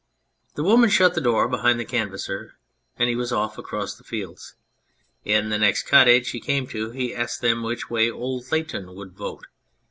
The woman shut the door behind the Canvasser, and he was off across the fields. In the next cottage he came to he asked them which way old Layton would vote.